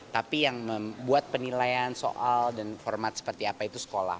tapi yang membuat penilaian soal dan format seperti apa itu sekolah